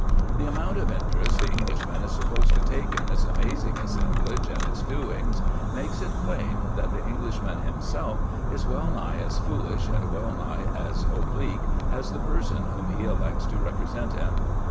The amount of interest the Englishman is supposed to take in this amazing assemblage and its doings makes it plain that the Englishman himself is well nigh as foolish and well nigh as oblique as the person whom he elects to represent him.